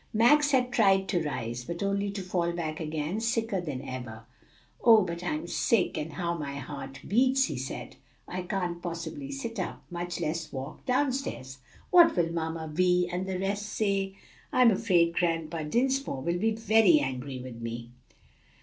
Max had tried to rise, but only to fall back again sicker than ever. "Oh, but I'm sick, and how my heart beats!" he said. "I can't possibly sit up, much less walk down stairs. What will Mamma Vi and the rest say? I'm afraid Grandpa Dinsmore will be very angry with me."